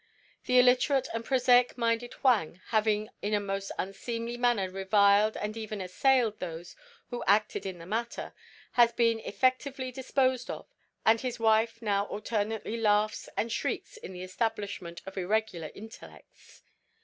The illiterate and prosaic minded Huang, having in a most unseemly manner reviled and even assailed those who acted in the matter, has been effectively disposed of, and his wife now alternately laughs and shrieks in the Establishment of Irregular Intellects.